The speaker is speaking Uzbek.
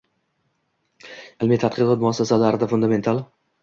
ilmiy-tadqiqot muassasalarida fundamental